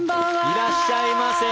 いらっしゃいませ！